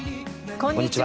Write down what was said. こんにちは。